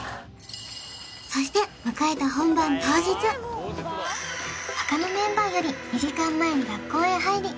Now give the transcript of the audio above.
そして迎えた本番当日他のメンバーより２時間前に学校へ入り